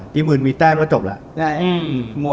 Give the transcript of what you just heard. ทีมอื่นมีแต้นแล้วจบแล้ว